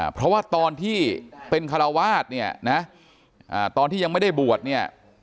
เพราะว่าตอนที่เป็นคาราวาสเนี่ยนะตอนที่ยังไม่ได้บวชเนี่ย